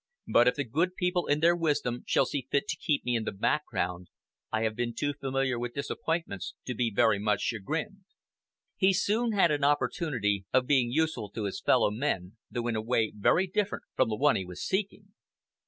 But if the good people in their wisdom shall see fit to keep me in the background, I have been too familiar with disappointments to be very much chagrined." He soon had an opportunity of being useful to his fellow men, though in a way very different from the one he was seeking.